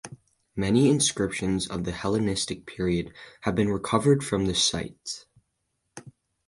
Many inscriptions of the Hellenistic period have been recovered from the site.